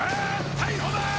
逮捕だー！